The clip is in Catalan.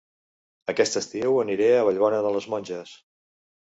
Aquest estiu aniré a Vallbona de les Monges